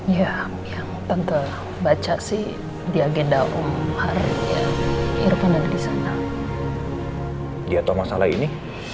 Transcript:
ya yang tante baca sih di agenda umar irfan ada di sana dia tahu masalah ini